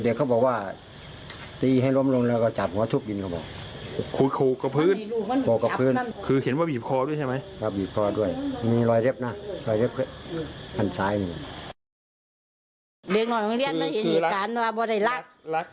เด็กก็บอกว่าตีให้ล้มลงแล้วก็จัดหัวทุบจึงเขาบอก